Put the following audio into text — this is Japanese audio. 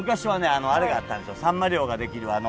あのあれがあったんですよ。